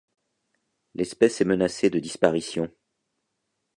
L'espèce est menacée de disparition.